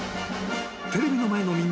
［テレビの前のみんな］